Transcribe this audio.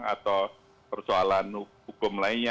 atau persoalan hukum lainnya